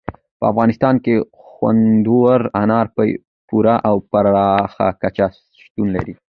په افغانستان کې خوندور انار په پوره او پراخه کچه شتون لري.